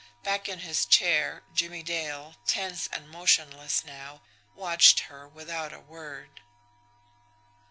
Back in his chair, Jimmie Dale, tense and motionless now, watched her without a word.